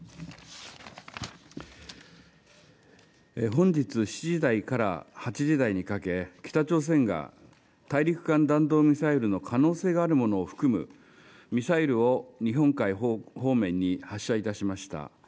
本日７時台から８時台にかけ、北朝鮮が大陸間弾道ミサイルの可能性があるものを含むミサイルを日本海方面に発射いたしました。